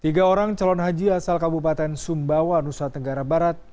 tiga orang calon haji asal kabupaten sumbawa nusa tenggara barat